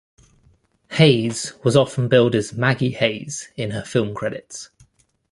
Hayes was often billed as Maggie Hayes in her film credits.